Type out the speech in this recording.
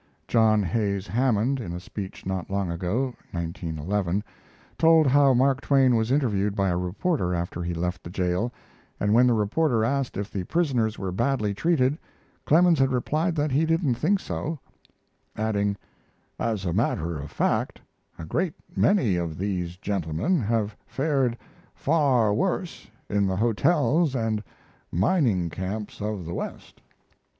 John Hayes Hammond, in a speech not long ago (1911), told how Mark Twain was interviewed by a reporter after he left the jail, and when the reporter asked if the prisoners were badly treated Clemens had replied that he didn't think so, adding: "As a matter of fact, a great many of these gentlemen have fared far worse in the hotels and mining camps of the West."